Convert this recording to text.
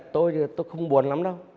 tôi không buồn lắm đâu